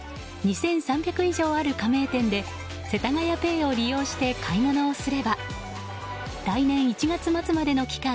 ２３００以上ある加盟店でせたがやＰａｙを利用して買い物をすれば来年１月末までの期間